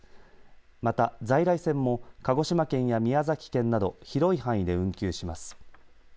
また、在来線も鹿児島県や宮崎県など広い範囲で運休します。